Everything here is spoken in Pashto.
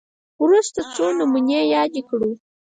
وروسته څو نمونې یادې کړو